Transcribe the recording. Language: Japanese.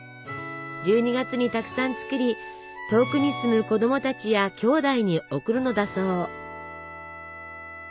１２月にたくさん作り遠くに住む子供たちやきょうだいに送るのだそう。